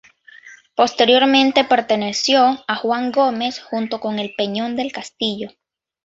Posteriormente perteneció a Juan Gómez junto con el Peñón del Castillo.